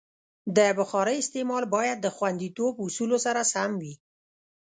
د بخارۍ استعمال باید د خوندیتوب اصولو سره سم وي.